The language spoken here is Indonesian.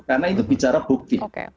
karena itu bicara bukti